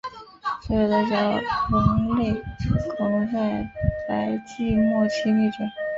所有的角龙类恐龙在白垩纪末期灭绝。